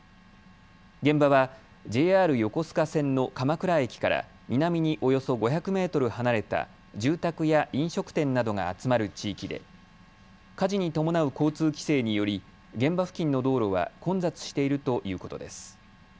現場はＪＲ横須賀線の鎌倉駅から南におよそ５００メートル離れた住宅や飲食店などが集まる地域で火事に伴う交通規制により現場付近の道路は混雑しているということです。